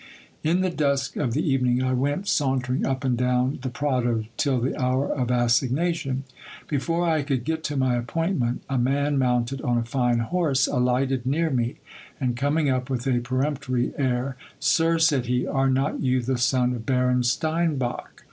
In the dusk of the even ing, I went sauntering up and down the Prado till the hour of assignation. Before I could get to my appointment, a man mounted on a fine horse alighted near me, and coming up with a peremptory air — Sir, said he, are not you the son of Baron Steinbach